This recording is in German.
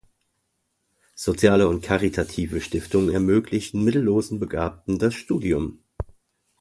Soziale und caritative Stiftungen ermöglichten mittellosen Begabten das Studium.